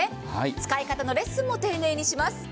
使い方のレッスンも丁寧にします。